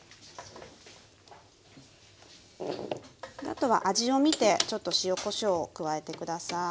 あとは味を見てちょっと塩こしょうを加えて下さい。